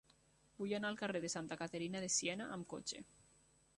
Vull anar al carrer de Santa Caterina de Siena amb cotxe.